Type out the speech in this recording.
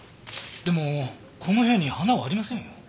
でもこの部屋に花はありませんよ。